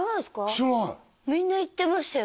知らないみんな行ってましたよ